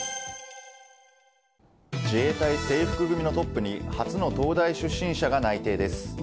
自衛隊制服組のトップに初の東大出身者が内定です。